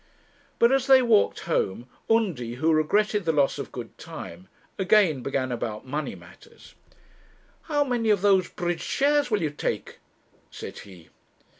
But as they walked home, Undy, who regretted the loss of good time, again began about money matters. 'How many of those bridge shares will you take?' said he.